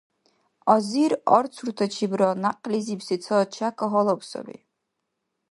Азир арцуртачибра някълизибси ца чяка гьалаб саби.